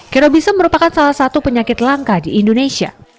kerobisem merupakan salah satu penyakit langka di indonesia